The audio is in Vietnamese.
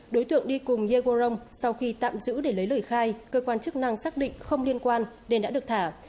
đối tượng đi cùng yegorong sau khi tạm giữ để lấy lời khai cơ quan chức năng xác định không liên quan nên đã được thả